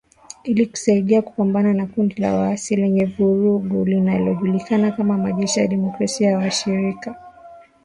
Ili kusaidia kupambana na kundi la waasi lenye vurugu linalojulikana kama Majeshi ya demokrasia ya washirika.